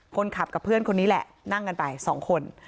คนขับกับเพื่อนคนนี้แหละนั่งกันไปสองคน